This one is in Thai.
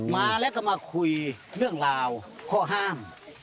มาแล้วก็มาคุยเรื่องราวข้อห้าม